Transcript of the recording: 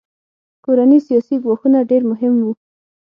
کورني سیاسي ګواښونه ډېر مهم وو.